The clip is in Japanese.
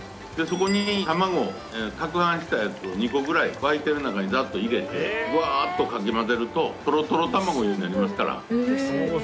そこに卵攪拌したやつを２個ぐらい沸いてる中にざっと入れてわっとかき混ぜるとトロトロ卵になりますから。